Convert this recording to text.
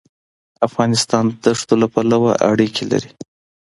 افغانستان د دښتو پلوه اړیکې لري.